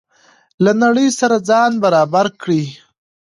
له نړۍ سره ځان برابر کړئ.